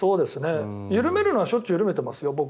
緩めるのはしょっちゅう緩めてますよ。